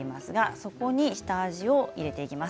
そこに下味を入れていきます。